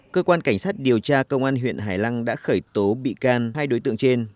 cơ quan cảnh sát điều tra công an huyện hải lăng đã khởi tố bị can hai đối tượng trên